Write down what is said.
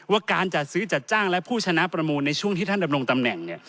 การจัดซื้อจัดจ้างและผู้ชนะประมูลในช่วงที่ท่านดำรงตำแหน่งเนี่ย